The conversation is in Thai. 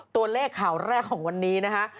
ตัวเลขข่าวแรกของวันนี้นะคะ